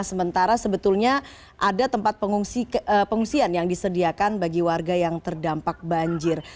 sementara sebetulnya ada tempat pengungsian yang disediakan bagi warga yang terdampak banjir